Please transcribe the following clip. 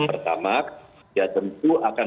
pertamax tentu akan